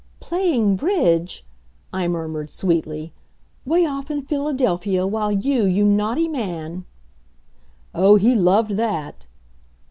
"Playing Bridge," I murmured sweetly, "'way off in Philadelphia, while you, you naughty man " Oh, he loved that!